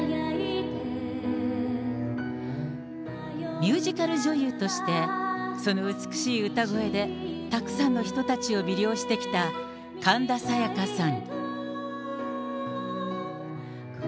ミュージカル女優として、その美しい歌声でたくさんの人たちを魅了してきた神田沙也加さん。